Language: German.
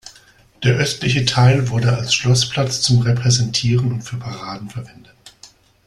Der östliche Teil wurde als Schloßplatz zum Repräsentieren und für Paraden verwendet.